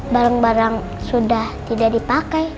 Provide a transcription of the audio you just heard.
barang barang sudah tidak dipakai